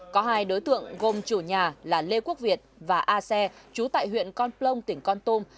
có hai đối tượng gồm chủ nhà là lê quốc việt và a xe trú tại huyện con plong tỉnh con tum